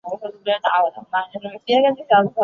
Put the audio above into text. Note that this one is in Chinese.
威塞尔超过耶稣何等高不可攀的高度！